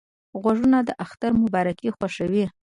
غوږونه د اختر مبارکۍ خوښوي